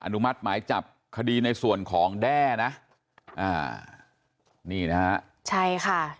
นุมัติหมายจับคดีในส่วนของแด้นะอ่านี่นะฮะใช่ค่ะ